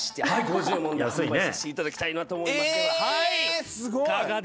はいはい。